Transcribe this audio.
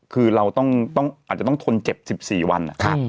คือเราอาจจะต้องทนเจ็บ๑๔วัน